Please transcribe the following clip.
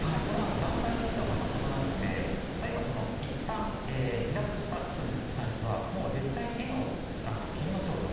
団体によっても異なるので例えばいったん離脱した人に関してはもう絶対に縁を切りましょうと。